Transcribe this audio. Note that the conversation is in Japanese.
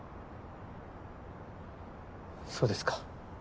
そうですか。